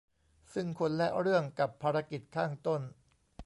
ซึ่งคนและเรื่องกับภารกิจข้างต้น